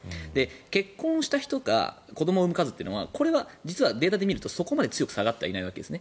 結婚した人が子どもを産む数というのはこれは実はデータで見るとそこまで強く下がってはいないわけですね。